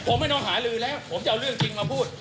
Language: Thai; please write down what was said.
ผมไม่ต้องหาลือแล้วผมจะเอาเรื่องจริงมาพูด